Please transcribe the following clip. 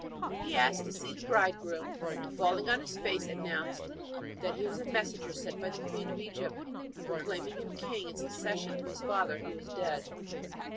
He asked to see the bridegroom, and falling on his face announced that he was a messenger sent by the queen of Egypt, proclaiming him king in succession to his father, who was dead.